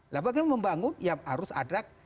lah bagaimana membangun ya harus ada